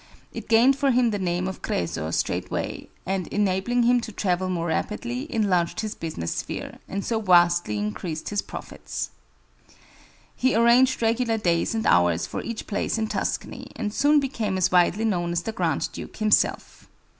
It gained for him the name of Créso straightway, and, enabling him to travel more rapidly, enlarged his business sphere, and so vastly increased his profits. He arranged regular days and hours for each place in Tuscany, and soon became as widely known as the Grand Duke himself.